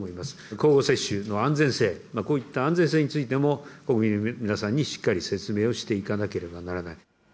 交互接種の安全性、こういった安全性についても、国民の皆さんにしっかり説明をしていかなければならない。